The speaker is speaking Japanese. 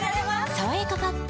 「さわやかパッド」